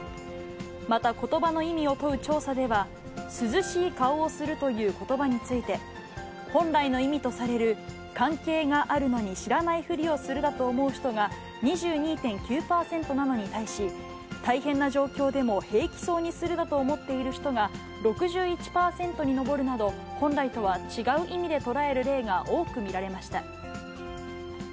また、ことばの意味を問う調査では、涼しい顔をするということばについて、本来の意味とされる関係があるのに知らないふりをするだと思う人が２２．９％なのに対し、大変な状況でも平気そうにするだと思っている人が６１％に上るなど、本来とは違う意味で捉える例が多く見られました。